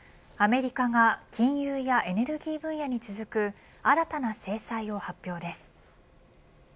アメリカが金融やエネルギー分野に続く新たな制裁を発表です。